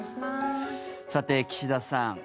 さて、岸田さん